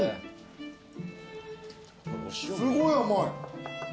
すごい甘い。